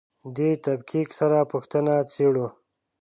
دې تفکیک سره پوښتنه څېړو.